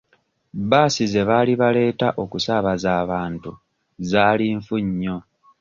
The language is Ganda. Bbaasi ze baali baaleeta okusaabaza abantu zaali nfu nnyo.